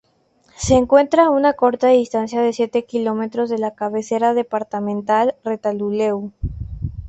Se encuentra a una corta distancia de siete kilómetros de la cabecera departamental Retalhuleu.